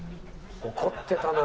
怒ってたな。